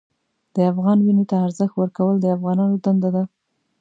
د افغان وینې ته ارزښت ورکول د افغانانو دنده ده.